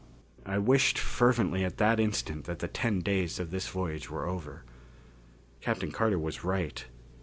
I wished fervently at that instant that the ten days of this voyage were over. Captain Carter was right.